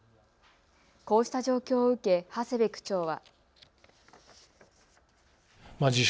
こうした状況を受け長谷部区長は。